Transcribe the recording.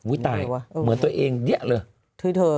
อุ๊ยตายเหมือนตัวเองเยอะเลย